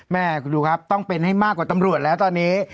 แม่คุณดูครับต้องเป็นให้มากกว่าตำรวจแล้วตอนนี้